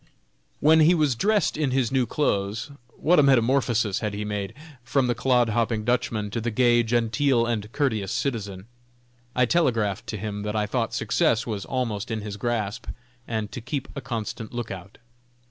When he was dressed in his new clothes, what a metamorphosis had he made, from the clod hopping Dutchman to the gay, genteel and courteous citizen! I telegraphed to him that I thought success was almost in his grasp, and to keep a constant lookout.